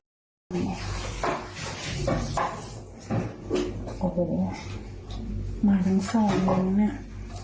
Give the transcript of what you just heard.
โอ้โหมาทั้งสองคนเนี่ย